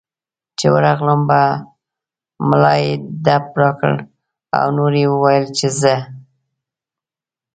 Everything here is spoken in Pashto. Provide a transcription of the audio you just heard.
چې ورغلم په ملا یې ډب راکړ او نور یې وویل چې ځه.